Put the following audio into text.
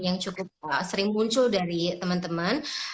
yang cukup sering muncul dari teman teman